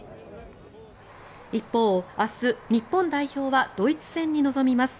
一方、明日日本代表はドイツ戦に臨みます。